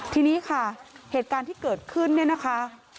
ทีนี้ค่ะเหตุการณ์ที่เกิดขึ้นเนี่ยนะคะ